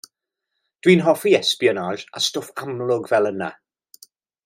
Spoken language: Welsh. Dwi'n hoffi espionage a stwff amlwg fel yna.